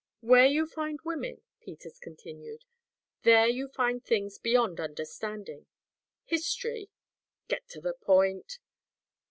"Where you find women," Peters continued, "there you find things beyond understanding. History " "Get to the point."